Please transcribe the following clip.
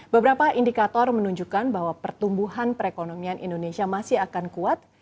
beberapa indikator menunjukkan bahwa pertumbuhan perekonomian indonesia masih akan kuat